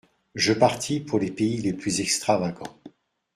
Je partis pour les pays les plus extravagants.